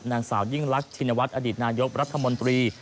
นางสาวยิ่งลักษณวรรษอดีตนายกรัฐมนตรี